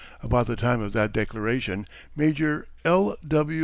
About the time of that declaration Major L.